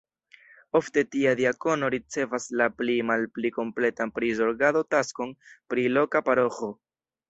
Ofte tia diakono ricevas la pli malpli kompletan prizorgado-taskon pri loka paroĥo.